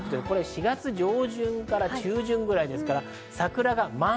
４月上旬から中旬くらいです。